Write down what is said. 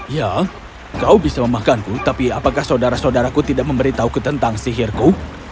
ya kau bisa memakanku tapi apakah saudara saudaraku tidak memberitahuku tentang sihirku